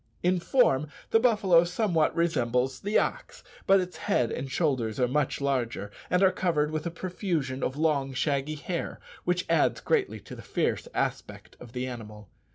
In form the buffalo somewhat resembles the ox, but its head and shoulders are much larger, and are covered with a profusion of long shaggy hair which adds greatly to the fierce aspect of the animal.